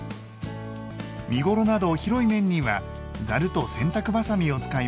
身頃など広い面にはざると洗濯ばさみを使います。